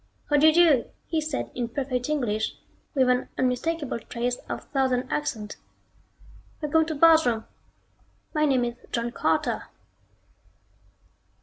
"How do you do?" he said in perfect English, with an unmistakable trace of Southern accent. "Welcome to Barsoom! My name is John Carter."